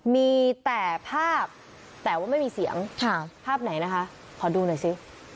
มีแต่ภาพแต่ว่าไม่มีเสียงภาพไหนนะคะขอดูหน่อยสิ